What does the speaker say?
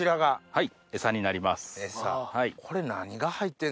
はい。